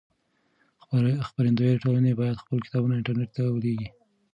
خپرندويې ټولنې بايد خپل کتابونه انټرنټ ته ولېږي.